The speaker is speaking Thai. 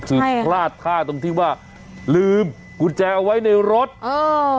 คือพลาดท่าตรงที่ว่าลืมกุญแจเอาไว้ในรถเออ